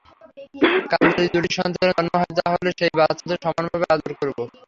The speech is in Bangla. কাল যদি দুটি সন্তানের জন্ম হয়, তাহলে সেই বাচ্ছাদের সমানভাবে আদর করবো।